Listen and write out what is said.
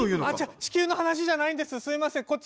ああ違う地球の話じゃないんですすいません。